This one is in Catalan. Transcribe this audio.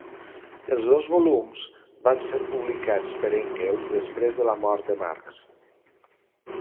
Els dos volums van ser publicats per Engels després de la mort de Marx.